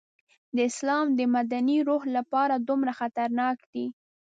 د اسلام د مدني روح لپاره دومره خطرناک دی.